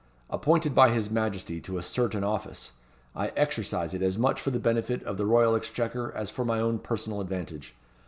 Appointed by his Majesty to a certain office, I exercise it as much for the benefit of the Royal Exchequer, as for my own personal advantage.